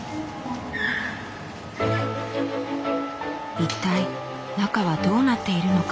一体中はどうなっているのか？